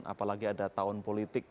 apalagi ada tahun politik